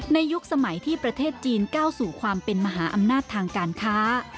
ยุคสมัยที่ประเทศจีนก้าวสู่ความเป็นมหาอำนาจทางการค้า